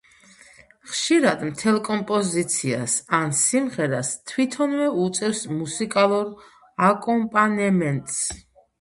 ხშირად მთელ კომპოზიციას ან სიმღერას თვითონვე უწევს მუსიკალურ აკომპანემენტს.